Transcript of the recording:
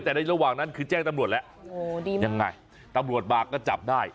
แต่ในระหว่างนั้นคือแจ้งตำรวจแล้วยังไงตำรวจมาก็จับได้